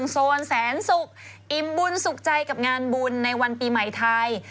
โซนแสนศุกร์อิ่มบุญสุขใจกับงานบุญในวันปีใหม่ไทย